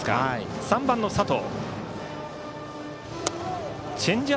３番の佐藤。